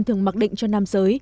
thường mặc định cho nam giới